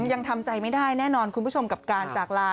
ยังทำใจไม่ได้แน่นอนคุณผู้ชมกับการจากลา